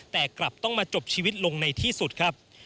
แต่กลับต้องมาจบชีวิตลงในที่สุดครับ